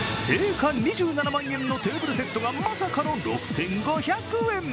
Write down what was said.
定価２７万円のテーブルセットが、まさかの６５００円。